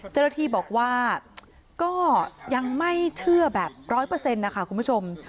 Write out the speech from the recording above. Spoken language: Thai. เจ้าหน้าทรีย์บอกว่ายังไม่เชื่อแบบร้อยเปอร์เซ็นต์นะคะคุณผู้ชม